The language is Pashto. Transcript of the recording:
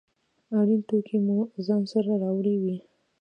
اړین توکي مو ځان سره راوړي وي.